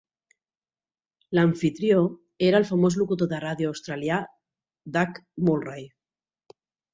L'amfitrió era el famós locutor de ràdio australià Doug Mulray.